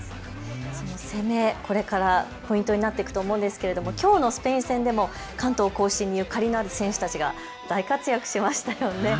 攻め、これからポイントになっていくと思うんですけれどきょうのスペイン戦でも関東甲信にゆかりのある選手たち、大活躍しましたよね。